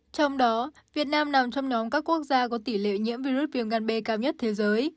trong đó việt nam nằm trong nhóm các quốc gia có tỷ lệ nhiễm virus viêm gan b cao nhất thế giới